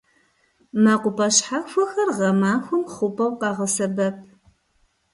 МэкъупӀэ щхьэхуэхэр гъэмахуэм хъупӀэу къагъэсэбэп.